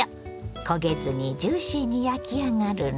焦げずにジューシーに焼き上がるの。